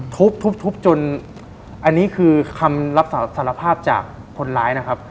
ทุบทุบจนอันนี้คือคำรับสารภาพจากคนร้ายนะครับ